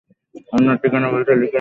আপনাকে ঠিকানাটা বলছি, লিখে নিন।